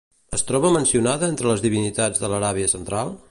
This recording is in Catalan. Es troba mencionada entre les divinitats de l'Aràbia central?